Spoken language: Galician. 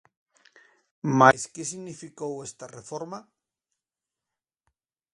Mais que significou esta reforma?